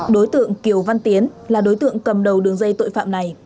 đối tượng kiều văn tiến là đối tượng cầm đầu đường dây tội phạm này